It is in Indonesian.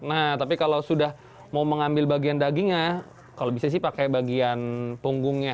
nah tapi kalau sudah mau mengambil bagian dagingnya kalau bisa sih pakai bagian punggungnya